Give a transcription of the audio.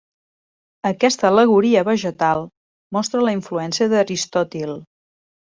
Aquesta al·legoria vegetal mostra la influència d'Aristòtil.